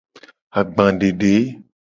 Agbadede.